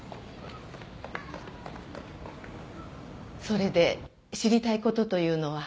それで知りたいことというのは？